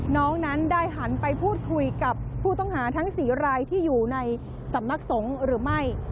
น้องนั้นได้หันไปพูดคุยกับผู้ต้องหาทั้ง๔รายที่อยู่ในสำนักสงฆ์หรือไม่